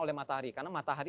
oleh matahari karena matahari